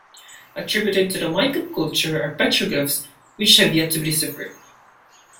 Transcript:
Attributed to the Maykop culture are petroglyphs which have yet to be deciphered.